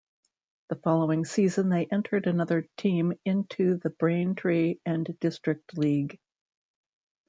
The following season they entered another team into the Braintree and District League.